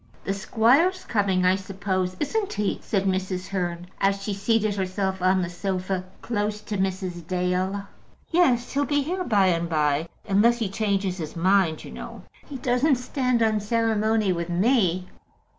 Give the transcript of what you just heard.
"The squire's coming, I suppose, isn't he?" said Mrs. Hearn, as she seated herself on the sofa close to Mrs. Dale. "Yes, he'll be here by and by; unless he changes his mind, you know. He doesn't stand on ceremony with me."